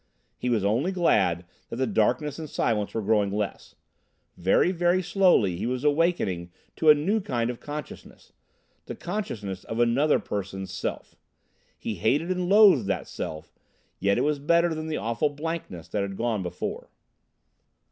He was only glad that the darkness and silence were growing less. Very, very slowly he was awakening to a new kind of consciousness the consciousness of another person's Self. He hated and loathed that Self, yet it was better than the awful blankness that had gone before.